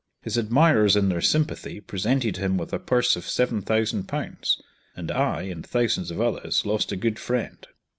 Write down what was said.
His admirers in their sympathy presented him with a purse of Ł7,000, and I and thousands of others, lost a good friend.